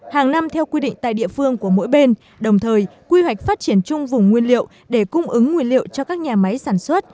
hàng năm theo quy định tại địa phương của mỗi bên đồng thời quy hoạch phát triển chung vùng nguyên liệu để cung ứng nguyên liệu cho các nhà máy sản xuất